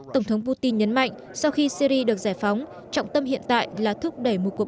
tổng thống putin nhấn mạnh sau khi syri được giải phóng trọng tâm hiện tại là thúc đẩy một cuộc